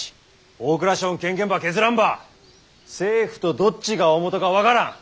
大蔵省の権限ば削らんば政府とどっちが大本か分からん。